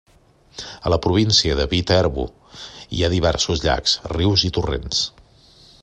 A la província de Viterbo hi ha diversos llacs, rius i torrents.